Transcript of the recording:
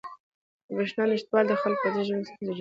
د بریښنا نشتوالی د خلکو په ورځني ژوند کې ستونزې جوړوي.